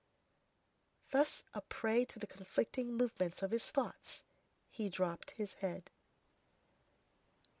Thus a prey to the conflicting movements of his thoughts, he dropped his head.